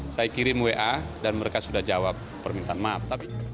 saya kirim wa dan mereka sudah jawab permintaan maaf